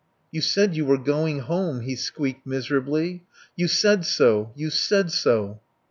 "You said you were going home," he squeaked miserably. "You said so. You said so."